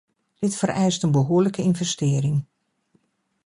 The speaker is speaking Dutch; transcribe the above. Dit vereist een behoorlijke investering.